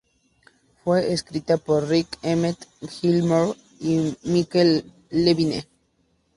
Fue escrita por Rik Emmett, Gil Moore y Mike Levine.